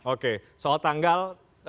oke soal tanggal